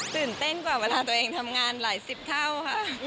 ตื่นเต้นกว่าเวลาตัวเองทำงานหลายสิบเท่าค่ะ